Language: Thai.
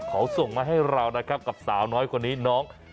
เขาส่งมาให้เรานะครับกับสาวน้อยคนนี้น้อง